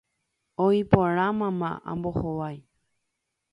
Oĩ porã mama, ambohovái.